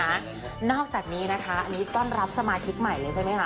แล้วไม่นึกจากนี้นะคะที่นี่ต้อนรับสมาชิกใหม่เลยใช่มั้ยคะ